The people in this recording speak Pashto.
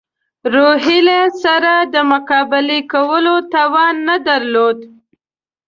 روهیله سره د مقابلې کولو توان نه درلود.